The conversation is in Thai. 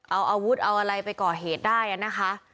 เอาอาวุธเอาอะไรไปก่อเหตุได้นะคะ